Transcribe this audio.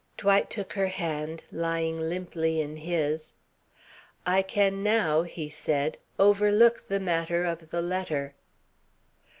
Dwight took her hand, lying limply in his. "I can now," he said, "overlook the matter of the letter."